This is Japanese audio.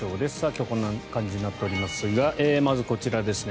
今日はこんな感じになっておりますがまず、こちらですね。